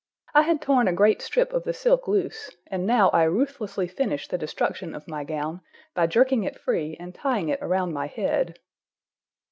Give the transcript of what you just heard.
I had torn a great strip of the silk loose, and now I ruthlessly finished the destruction of my gown by jerking it free and tying it around my head.